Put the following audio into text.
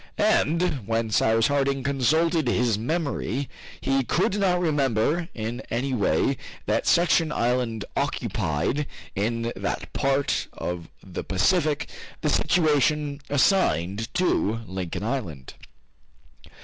And when Cyrus Harding consulted his memory, he could not remember in any way that such an island occupied, in that part of the Pacific, the situation assigned to Lincoln Island.